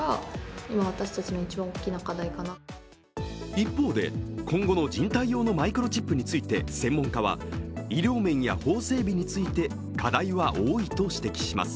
一方で、今後の人体用のマイクロチップについて専門家は、医療面や法整備について課題は多いと指摘します。